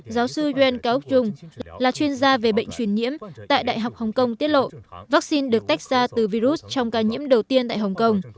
giáo sư yel kaokung là chuyên gia về bệnh truyền nhiễm tại đại học hồng kông tiết lộ vaccine được tách ra từ virus trong ca nhiễm đầu tiên tại hồng kông